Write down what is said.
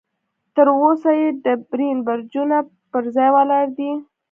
تر اوسه یې ډبرین برجونه پر ځای ولاړ دي.